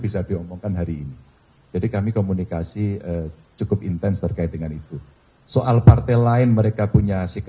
tapi ketika kemudian tidak ditindaklanjuti